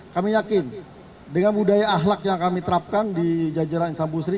kami yakin dengan budaya ahlak yang kami terapkan di jajaran insambusri